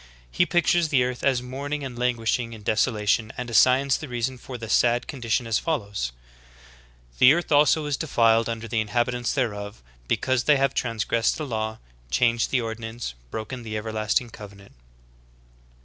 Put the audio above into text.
He pictures the earth as mourning and languishing in desolation and assigns the reason for the sad condition as follows : "The earth also is defiled under the inhab itants thereof; because they have transgressed the laws, changed the ordinance, broken the everlasting covenant."